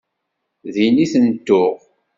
Din i ten-tuɣ?